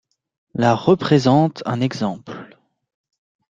La représente un exemple.